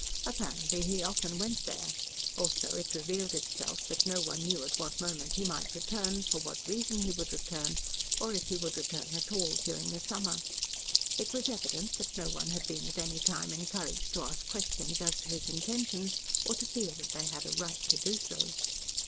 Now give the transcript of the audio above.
Apparently he often went there; also it revealed itself that no one knew at what moment he might return, for what reason he would return, or if he would return at all during the summer. It was evident that no one had been at any time encouraged to ask questions as to his intentions, or to feel that they had a right to do so.